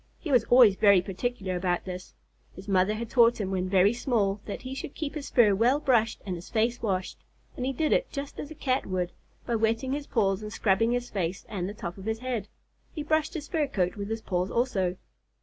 He was always very particular about this. His mother had taught him when very small that he must keep his fur well brushed and his face washed, and he did it just as a Cat would, by wetting his paws and scrubbing his face and the top of his head. He brushed his fur coat with his paws also.